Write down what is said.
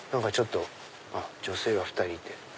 あっ女性が２人いて。